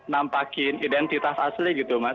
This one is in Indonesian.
nampakin identitas asli gitu mas